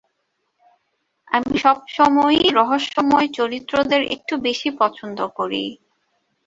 আমি সবসময়েই রহস্যময় চরিত্রদের একটু বেশিই পছন্দ করি।